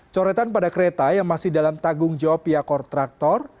coretan pada kereta yang masih dalam tanggung jawab pihak kontraktor